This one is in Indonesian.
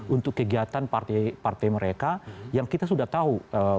untuk kegiatan partai mereka yang kita sudah tahu